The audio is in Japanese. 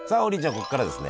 ここからですね